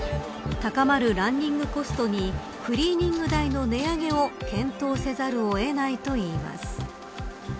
高まるランニングコストにクリーニング代の値上げを検討せざるを得ないといいます。